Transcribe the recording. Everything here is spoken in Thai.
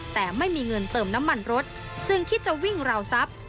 แต่ไม่มีเงินเติมน้ำมันรถจึงคิดจะวิ่งราวทรัพย์